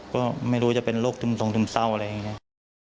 ก็ไม่รู้จะเป็นโรคตึมทรงตึมเศร้าอะไรอย่างนี้